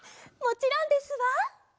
もちろんですわ。